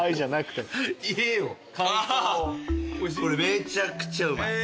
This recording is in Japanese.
めちゃくちゃうまい。